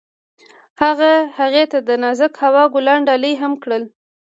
هغه هغې ته د نازک هوا ګلان ډالۍ هم کړل.